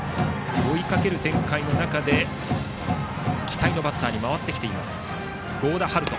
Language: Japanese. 追いかける展開の中で期待のバッターに回ってきています、合田華都。